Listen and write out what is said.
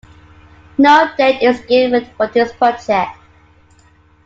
No date is given for this project.